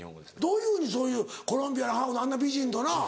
どういうふうにそういうコロンビアのハーフのあんな美人となぁ。